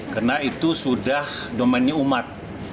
karena itu sudah domennya umat